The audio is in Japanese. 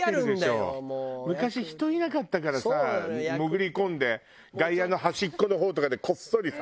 昔人いなかったからさ潜り込んで外野の端っこの方とかでこっそりさ。